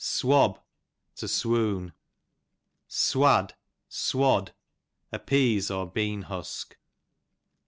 Swab, to swoon. Swad, a pease or bean husk.